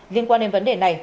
liên quan đến vấn đề này